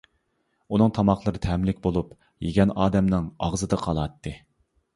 ئۇنىڭ تاماقلىرى تەملىك بولۇپ، يېگەن ئادەمنىڭ ئاغزىدا قالاتتى.